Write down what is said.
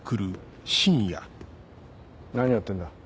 何やってんだ？